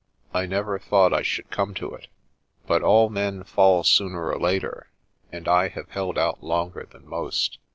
" I never thought I should come to it But all men fall sooner or later, and I have held out longer than most.